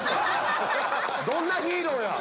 どんなヒーローや？